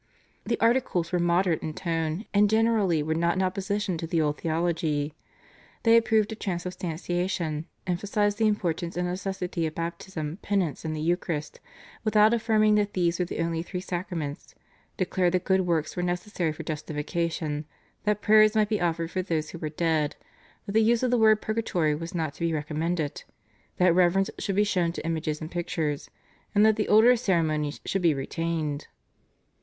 The Articles were moderate in tone, and generally were not in opposition to the old theology. They approved of Transubstantiation, emphasised the importance and necessity of Baptism, Penance, and the Eucharist without affirming that these were the only three Sacraments, declared that good works were necessary for justification, that prayers might be offered for those who were dead, that the use of the word Purgatory was not to be recommended, that reverence should be shown to images and pictures, and that the older ceremonies should be retained.